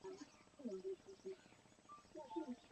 它们的栖息地较为狭小且因当地农业林业发展而退化。